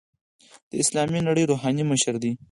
د اسلامي نړۍ روحاني مشر دی.